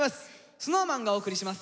ＳｎｏｗＭａｎがお送りします。